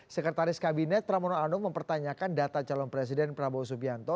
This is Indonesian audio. sekretaris kabinet pramono anung mempertanyakan data calon presiden prabowo subianto